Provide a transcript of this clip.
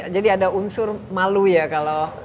jadi ada unsur malu ya kalau kelihatan